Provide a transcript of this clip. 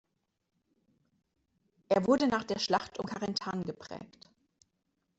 Er wurde nach der Schlacht um Carentan geprägt.